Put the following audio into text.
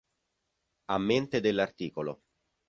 A mente dell'art.